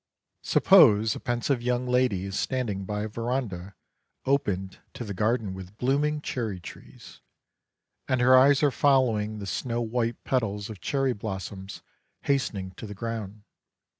Suppose a pensive young lady is standing by a veranda opened to the garden with blooming cherry trees, and her eyes are following the snow white petals of cherry blossoms hastening to the ground.